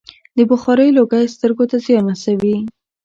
د بخارۍ لوګی سترګو ته زیان رسوي.